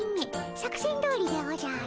作戦どおりでおじゃる。